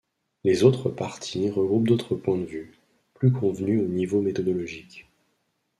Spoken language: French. Les autres parties regroupent d'autres points-de-vue, plus convenus au niveau méthodologique.